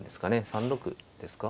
３六ですか。